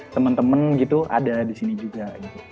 temen temen gitu ada di sini juga